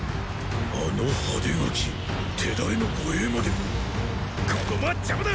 あの派手ガキ手練の護衛まで子供は邪魔だ！